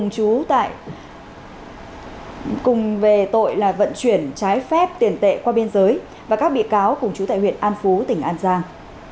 cùng về tội là vận chuyển trái phép tiền tệ qua biên giới và các bị cáo cùng chú tại huyện an phú tỉnh an giang